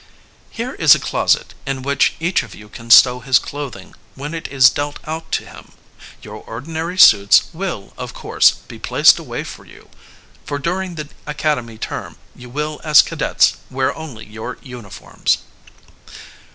"Here is a closet, in which each of you can stow his clothing when it is dealt out to him. Your ordinary suits will, of course, be placed away for you, for during the academy term, you will as cadets wear only your uniforms."